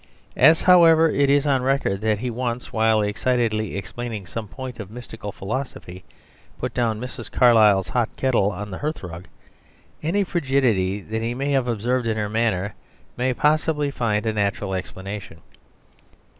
As, however, it is on record that he once, while excitedly explaining some point of mystical philosophy, put down Mrs. Carlyle's hot kettle on the hearthrug, any frigidity that he may have observed in her manner may possibly find a natural explanation.